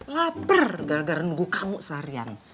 lapar gara gara nunggu kamu seharian